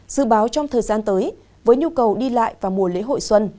dự báo trong thời gian tới với nhu cầu đi lại và mùa lễ hội xuân